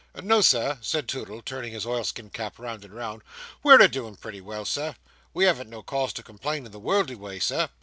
"No, Sir," said Toodle, turning his oilskin cap round and round; "we're a doin' pretty well, Sir; we haven't no cause to complain in the worldly way, Sir.